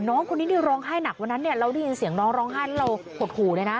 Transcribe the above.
น้องคนนี้ร้องไห้หนักวันนั้นเราได้ยินเสียงน้องร้องไห้เราห่วดหูด้วยนะ